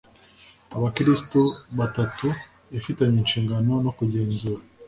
abakristu batatu Ifite inshingano yo kugenzura